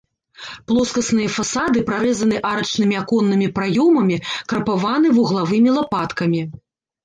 Плоскасныя фасады прарэзаны арачнымі аконнымі праёмамі, крапаваны вуглавымі лапаткамі.